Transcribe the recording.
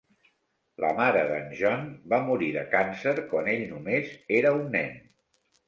La mare d"en John va morir de càncer quan ell només era un nen.